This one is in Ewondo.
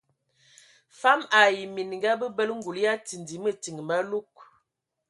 Fam ai minga bəbələ ngul ya tindi mətin malug.